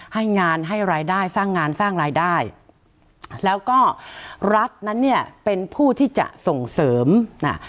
ให้งานให้รายได้สร้างงานสร้างรายได้แล้วก็รัฐนั้นเนี่ยเป็นผู้ที่จะส่งเสริมน่ะ